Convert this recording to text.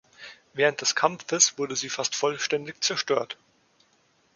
Während des Kampfes wurde sie fast vollständig zerstört.